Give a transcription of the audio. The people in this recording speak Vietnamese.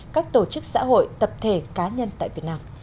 các tổ chức xã hội tập thể cá nhân tại việt nam